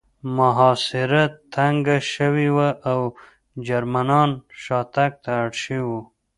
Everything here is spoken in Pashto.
محاصره تنګه شوې وه او جرمنان شاتګ ته اړ شوي وو